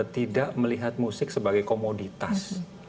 tidak melihat musik sebagai komoditas